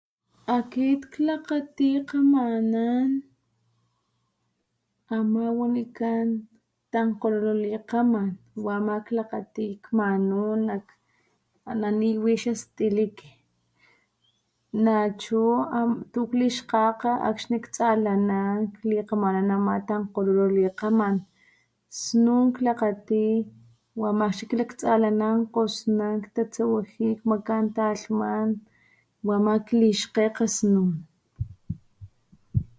Akit klakgati kgamanan ama wanikan tankgololo likgaman wa ama klakgati kmanu ana niwi xastiliki nachu tu klixkgakga akxni ktsalanan klikgamanan ama tankgololo likgaman, snun klakgati wa ama chi klaktsalanan kgosnan ktatsawaji snun ktatsawaji kmakan talhaman wa ama klixkgekga snun.